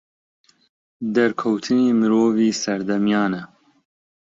دەرکەوتنی مرۆڤی سەردەمیانە